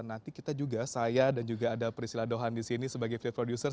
nanti kita juga saya dan juga ada priscila dohan di sini sebagai viet producer